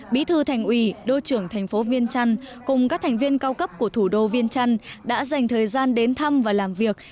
bí thư thành ủy đô trưởng thành phố viên trăn cùng các thành viên cao cấp của thủ đô viên trăn đã dành thời gian đến thăm và làm việc